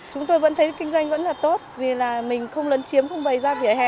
chúng tôi vẫn thấy kinh doanh vẫn là tốt vì là mình không lấn chiếm không bày ra vỉa hè